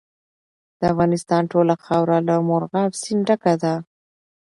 د افغانستان ټوله خاوره له مورغاب سیند ډکه ده.